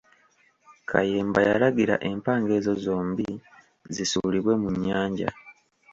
Kayemba yalagira empanga ezo zombi zisuulibwe mu nnyanja.